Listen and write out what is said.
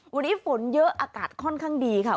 วันนี้ฝนเยอะอากาศค่อนข้างดีค่ะ